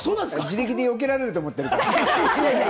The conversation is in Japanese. ギリギリよけられると思ってるから。